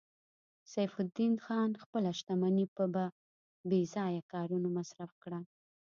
سیف الدین خان خپله شتمني په بې ځایه کارونو مصرف کړه